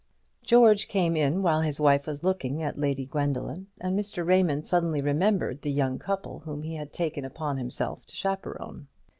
George came in while his wife was looking at Lady Gwendoline, and Mr. Raymond suddenly remembered the young couple whom he had taken upon himself to chaperone.